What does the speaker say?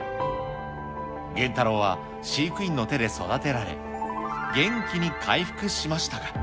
ゲンタロウは飼育員の手で育てられ、元気に回復しましたが。